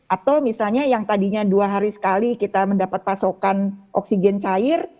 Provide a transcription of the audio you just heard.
atau misalnya yang tadinya dua hari sekali kita mendapat pasokan oksigen cair